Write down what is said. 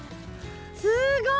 すごい！